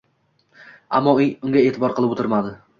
Ammo bunga e’tibor qilib o‘tirmadi.